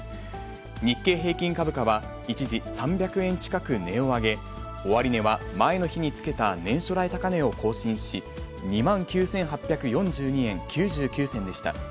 日経平均株価は一時３００円近く値を上げ、終値は前の日につけた年初来高値を更新し、２万９８４２円９９銭でした。